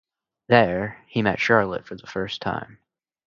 There, he met Charlotte for the first time.